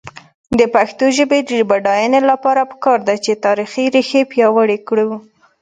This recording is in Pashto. د پښتو ژبې د بډاینې لپاره پکار ده چې تاریخي ریښې پیاوړې شي.